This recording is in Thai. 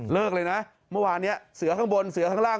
เลยนะเมื่อวานนี้เสือข้างบนเสือข้างล่าง